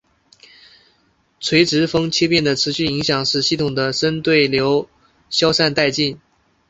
垂直风切变的持续影响使系统的深对流消散殆尽。